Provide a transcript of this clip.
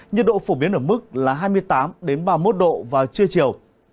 nhiệt độ phổ biến ở mức là hai mươi tám đến ba mươi một độ và chưa chiều